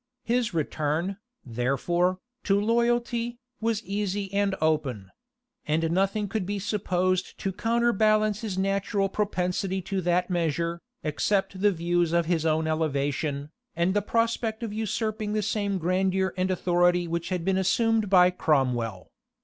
His return, therefore, to loyalty, was easy and open; and nothing could be supposed to counterbalance his natural propensity to that measure, except the views of his own elevation, and the prospect of usurping the same grandeur and authority which had been assumed by Cromwell.